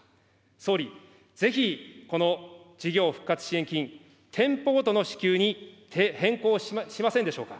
総理、ぜひこの事業復活支援金、店舗ごとの支給に変更しませんでしょうか。